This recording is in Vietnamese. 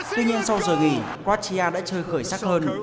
tuy nhiên sau giờ nghỉ quartia đã chơi khởi sắc hơn